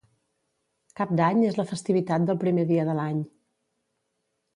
Cap d'Any és la festivitat del primer dia de l'any.